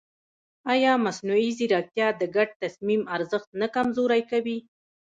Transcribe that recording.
ایا مصنوعي ځیرکتیا د ګډ تصمیم ارزښت نه کمزوری کوي؟